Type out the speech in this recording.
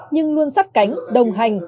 nhưng luôn sắt cánh đồng hành